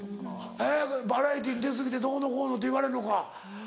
えっバラエティーに出過ぎてどうのこうのって言われるのか。